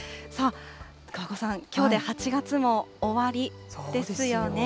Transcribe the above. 桑子さん、きょうで８月も終わりですよね。